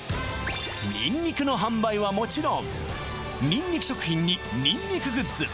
ニンニクの販売はもちろんニンニク食品にニンニクグッズ